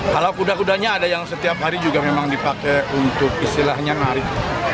kalau kuda kudanya ada yang setiap hari juga memang dipakai untuk istilahnya narik